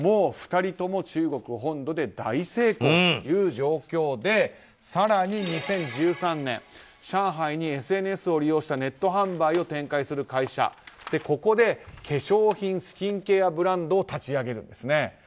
２人とも中国本土で大成功という状況で更に２０１３年、上海にＳＮＳを利用したネット販売を展開する会社、ここで化粧品・スキンケアブランドを立ち上げるんですね。